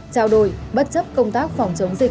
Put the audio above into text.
trao đổi bất chấp công tác phòng chống dịch covid một mươi chín